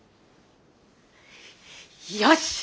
よし！